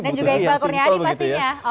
dan juga iqbal kurniawi pastinya